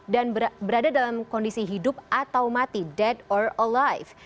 dan berada dalam kondisi hidup atau mati dead or alive